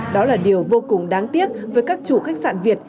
đó là điều vô cùng đáng tiếc với các chủ khách sạn việt